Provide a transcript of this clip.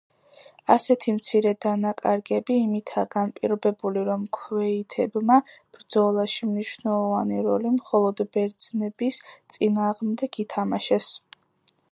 ასეთი მცირე დანაკარგები იმითაა განპირობებული, რომ ქვეითებმა ბრძოლაში მნიშვნელოვანი როლი მხოლოდ ბერძნების წინააღმდეგ ითამაშეს.